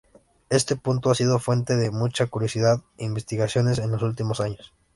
Este punto ha sido fuente de mucha curiosidad e investigaciones en los últimos años.